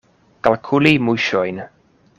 Kalkuli muŝojn.